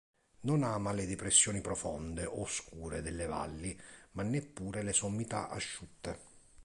Non ama le depressioni profonde o oscure delle valli, ma neppure le sommità asciutte.